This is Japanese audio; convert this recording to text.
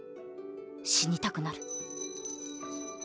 死にたくなる。